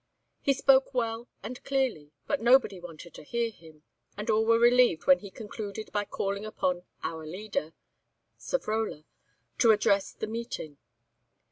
He spoke well and clearly, but nobody wanted to hear him, and all were relieved when he concluded by calling upon "our leader," Savrola, to address the meeting.